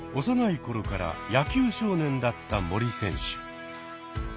幼い頃から野球少年だった森選手。